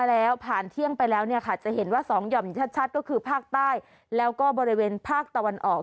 แล้วผ่านเที่ยงไปแล้วเนี่ยค่ะจะเห็นว่า๒ห่อมชัดก็คือภาคใต้แล้วก็บริเวณภาคตะวันออก